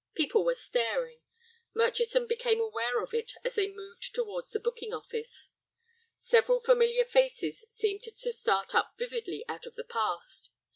People were staring; Murchison became aware of it as they moved towards the booking office. Several familiar faces seemed to start up vividly out of the past.